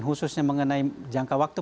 khususnya mengenai jangka waktu